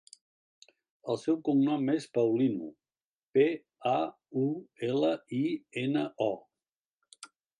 El seu cognom és Paulino: pe, a, u, ela, i, ena, o.